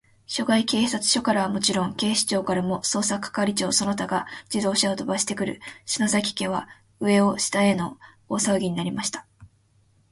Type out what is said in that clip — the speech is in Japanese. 所轄警察署からはもちろん、警視庁からも、捜査係長その他が自動車をとばしてくる、篠崎家は、上を下への大さわぎになりました。